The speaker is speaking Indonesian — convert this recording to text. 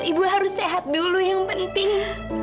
ibu harus sehat dulu yang penting